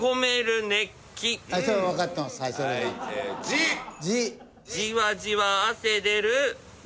「じわじわ汗出る」。